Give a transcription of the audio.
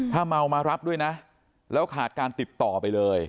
ถ้าเมามารับด้วยนะแล้วขาดการติดต่อไปเลย